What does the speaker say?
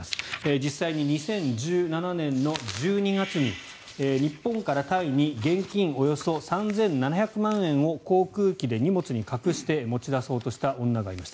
実際に２０１７年の１２月に日本からタイに現金およそ３７００万円を航空機で荷物に隠して持ち出そうとした女がいました。